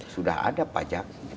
sudah ada pajaknya